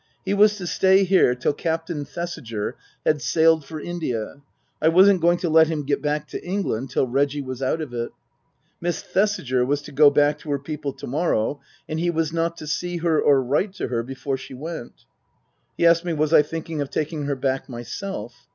He was to stay here till Captain Thesiger had sailed for India (I wasn't going to let him get back to England till Reggie was out of it). Miss Thesiger was to go back to her people to morrow, and he was not to see her or write to her before she went. He asked me was I thinking of taking her back myself